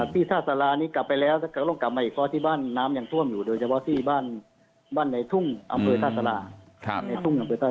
ที่ท่าสารานี้กลับไปแล้วก็ต้องกลับมาอีกข้อที่บ้านน้ำยังท่วมอยู่โดยเฉพาะที่บ้านในทุ่งอำเภยท่าสารา